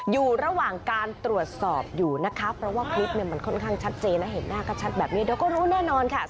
อยู่ระหว่างการตรวจสอบอยู่นะคะเพราะว่าคลิปเนี่ยมันค่อนข้างชัดเจนและเห็นหน้าก็ชัดแบบนี้เดี๋ยวก็รู้แน่นอนค่ะ